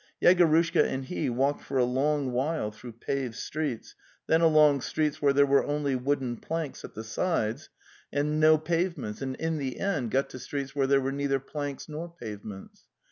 Yegorushka and he walked for a long while through paved streets, then along streets where there were only wooden planks at the sides and no 296 The Tales of Chekhov pavements, and in the end got to streets where there were neither planks nor pavements.